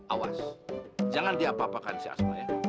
awas jangan diapa apakan si asma ya